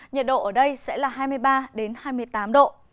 nhiệt độ ở đây sẽ là hai mươi ba hai mươi tám độ